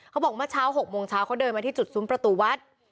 เมื่อเช้า๖โมงเช้าเขาเดินมาที่จุดซุ้มประตูวัด